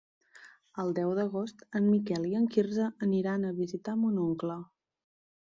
El deu d'agost en Miquel i en Quirze aniran a visitar mon oncle.